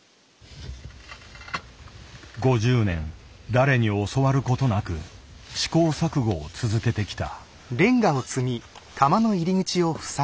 ５０年誰に教わることなく試行錯誤を続けてきた。